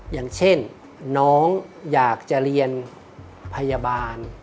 อย่างเช่นน้องอยากจะเรียนพยาบาล